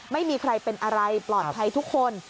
ไม่มีใครเป็นอะไรปลอดภัยทุกคน